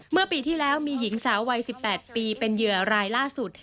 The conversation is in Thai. เมื่อปีที่แล้วมีหญิงสาววัย๑๘ปีเป็นเหยื่อรายล่าสุด